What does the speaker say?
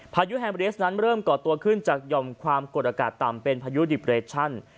พายุแฮมเรียสนั้นเริ่มก่อตัวขึ้นจากหย่อมความกดอากาศต่ำเป็นพายุดิบเรชั่น